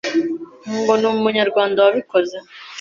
ngo ni umunyarwanda wabikoze